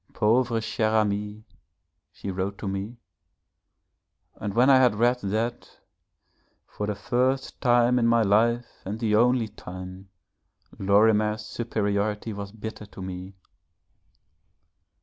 'Pauvre cher Ami,' she wrote to me, and when I had read that, for the first time in my life and the only time Lorimer's superiority was bitter to me.